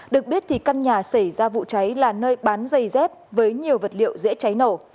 được biết thì căn nhà xảy ra vụ cháy là nơi bán giày dép với nhiều vật liệu dễ cháy nổ